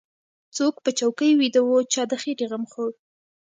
څوک په چوکۍ ويده و چا د خېټې غم خوړ.